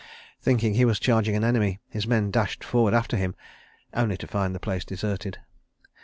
Thinking he was charging an enemy, his men dashed forward after him, only to find the place deserted.